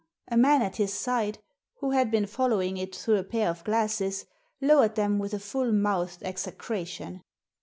A man at his side, who had been following it through a pair of glasses, lowered them with a full mouthed execration.